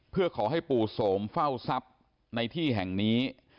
เพื่อขอให้ปู่โสมเฝ้าทรัพย์ในที่แห่งนี้